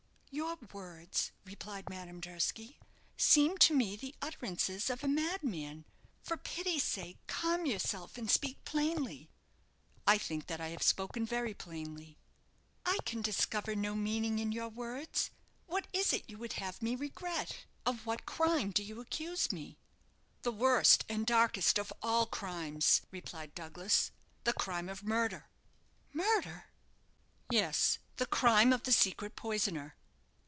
"Your words," replied Madame Durski, "seem to me the utterances of a madman. For pity's sake, calm yourself, and speak plainly." "I think that I have spoken, very plainly." "I can discover no meaning in your words. What is it you would have me regret? Of what crime do you accuse me?" "The worst and darkest of all crimes," replied Douglas; "the crime of murder." "Murder?" "Yes; the crime of the secret poisoner!"